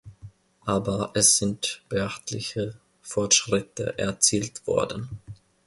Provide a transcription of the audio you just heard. Aber es sind beachtliche Fortschritte erzielt worden.